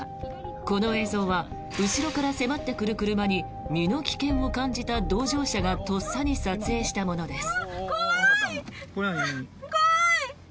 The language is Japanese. この映像は後ろから迫ってくる車に身の危険を感じた同乗者がとっさに撮影したものです。